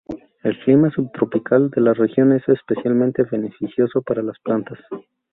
El clima subtropical de la región es especialmente beneficioso para las plantas.